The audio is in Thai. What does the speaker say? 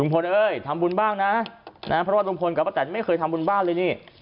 เพราะว่าลุงพลกับพระแต่นไม่เคยทำบุญบ้านเลยนี่